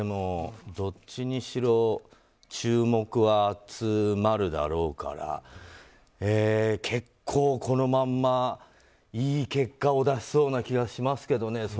どっちにしろ注目は集まるだろうから結構、このままいい結果を出しそうな気がしますけどね。